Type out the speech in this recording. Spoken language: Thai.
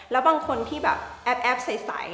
แล้วบางคนที่แอ๊บใส